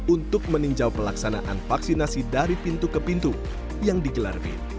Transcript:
untuk meninjau pelaksanaan vaksinasi dari pintu ke pintu yang digelar